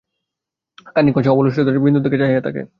খানিকক্ষণ সে অবুলষ্ঠিতা বিন্দুর দিকে চাহিয়া থাকে।